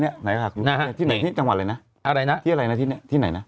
ที่ไหนฮะจังหวัดอะไรนะ